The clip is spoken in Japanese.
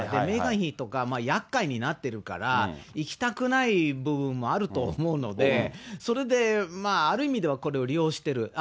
メーガン妃とか、やっかいになってるから、行きたくない部分もあると思うので、それでまあ、ある意味ではこれを利用してる。